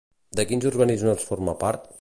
De quins organismes forma part?